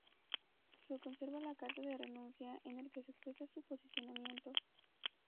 Se conserva la carta de renuncia, en la que expresa su posicionamiento.